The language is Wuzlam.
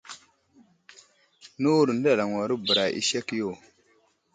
Nəwuro nəɗalaŋwaro bəra i aseh yo.